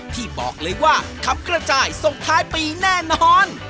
ที่บอกเลยว่าขับกระจายส่งท้ายปีแน่นอน